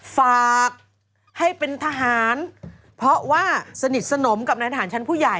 ฝากให้เป็นทหารเพราะว่าสนิทสนมกับนายทหารชั้นผู้ใหญ่